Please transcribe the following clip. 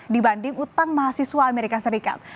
dibanding utang mahasiswa amerika serikat